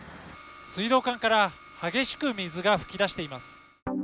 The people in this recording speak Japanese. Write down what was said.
水道管から激しく水が噴き出しています。